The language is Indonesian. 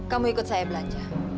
kamu ikut saya belanja